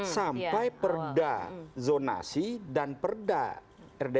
sampai perda zonasi dan perda rdtr nya keluar